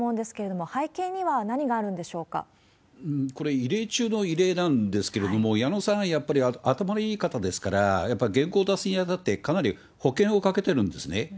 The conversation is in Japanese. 異例中の異例なんですけれども、矢野さんはやっぱり頭のいい方ですから、やっぱり原稿を出すにあたって、かなり保険をかけてるんですね。